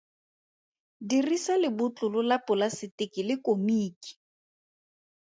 Dirisa lebotlolo la polasetiki le komiki.